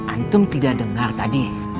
antum tidak dengar tadi